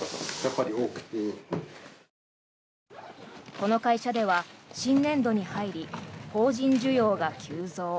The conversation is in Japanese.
この会社では新年度に入り法人需要が急増。